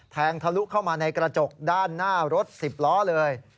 ทะลุเข้ามาในกระจกด้านหน้ารถ๑๐ล้อเลย